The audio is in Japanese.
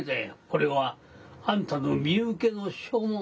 これはあんたの身請けの証文。